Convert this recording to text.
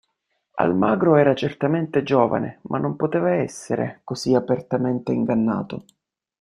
Almagro era certamente giovane, ma non poteva essere, così apertamente ingannato.